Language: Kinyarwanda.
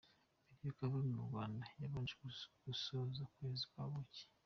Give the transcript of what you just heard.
Mbere y’uko bava mu Rwanda babanje gusoza ukwezi kwa buki.